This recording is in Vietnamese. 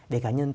về cá nhân thì